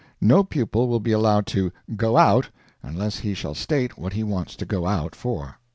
No pupil will be allowed to "go out," unless he shall state what he wants to go out for.